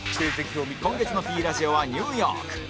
今月の Ｐ ラジオはニューヨーク